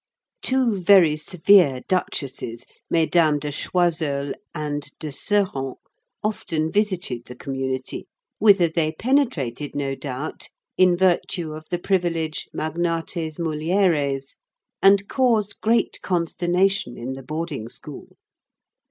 Two very severe duchesses, Mesdames de Choiseul and de Sérent, often visited the community, whither they penetrated, no doubt, in virtue of the privilege Magnates mulieres, and caused great consternation in the boarding school.